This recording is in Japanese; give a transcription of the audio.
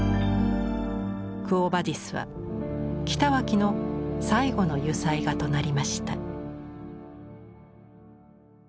「クォ・ヴァディス」は北脇の最後の油彩画となりました。